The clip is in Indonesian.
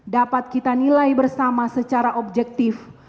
dapat kita nilai bersama secara objektif